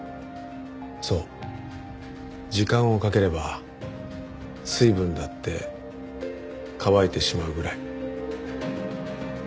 そう時間をかければ水分だって乾いてしまうぐらい。